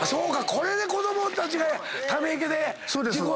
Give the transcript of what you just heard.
これで子供たちがため池で事故るんだ。